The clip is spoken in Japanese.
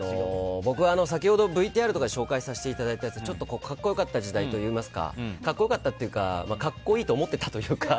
僕は先ほどＶＴＲとかで紹介させていただいたやつちょっと格好良かった時代といいますか格好良かったっていうか格好いいと思ってたというか。